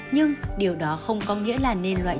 nhưng điều đó không có nghĩa là tăng lượng đường trong máu